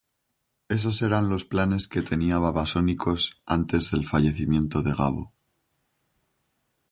Esos eran los planes que tenía Babasónicos antes del fallecimiento de Gabo.